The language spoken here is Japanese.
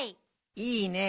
いいねえ。